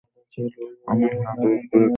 আমি হ্যাঁ বলে দিয়েছি।